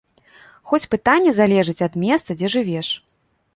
Хоць пытанне залежыць ад месца, дзе жывеш.